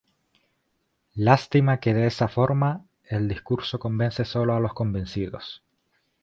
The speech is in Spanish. Lástima que de esa forma, el discurso convence solo a los convencidos.